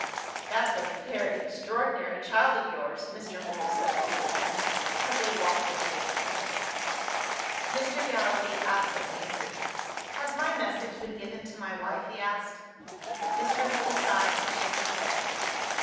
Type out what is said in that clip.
"That's a very extraordinary child of yours," Mr. Mool said to his friend, as they walked away together. Mr. Gallilee absently agreed. "Has my message been given to my wife?" he asked. Mr. Mool sighed and shook his head.